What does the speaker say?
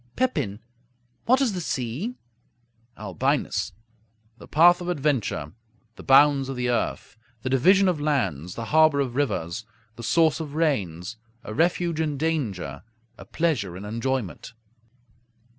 Pepin What is the sea? Albinus The path of adventure; the bounds of the earth; the division of lands; the harbor of rivers; the source of rains; a refuge in danger; a pleasure in enjoyment.